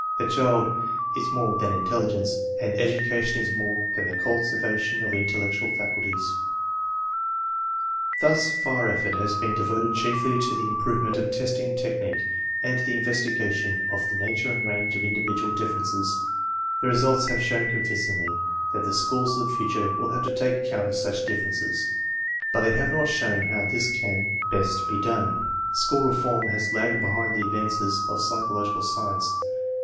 The child is more than intelligence, and education is more than the cultivation of intellectual faculties, ~~\ V ' 4 TESTS AND SCHOOL REORGANIZATION Thus far effort has been devoted chiefly to the im provement of testing technique and to the investiga tion of the nature and range of individual differences. The results have shown convincingly that the schools of the future will have to take account of such differ ences, but they have not shown how this can best be done. School reform has lagged behind the advances of psychological science.